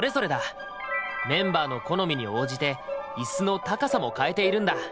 メンバーの好みに応じてイスの高さも変えているんだ。